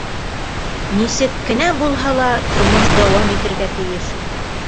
Нисек кенә булһа ла, тормош дауам итергә тейеш.